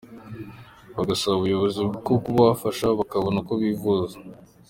Bagasaba ubuyobozi ko bwabafasha bakabona uko bivuza.